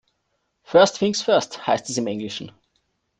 First things first heißt es im Englischen.